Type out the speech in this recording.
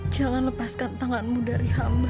jangan lepaskan tanganmu dari hamba